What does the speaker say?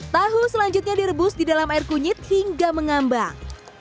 tahu selanjutnya direbus di dalam air kunyit hingga mengambang